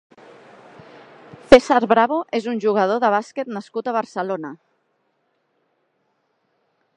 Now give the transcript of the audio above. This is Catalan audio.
Cèsar Bravo és un jugador de bàsquet nascut a Barcelona.